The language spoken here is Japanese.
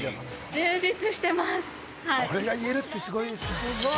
これが言えるってすごいですよ。